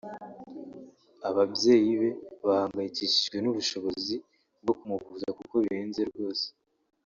ababyeyi be bahangayikishijwe n’ubushobozi bwo kumuvuza kuko bihenze rwose